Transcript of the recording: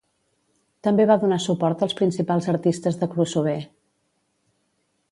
També va donar suport als principals artistes de crossover.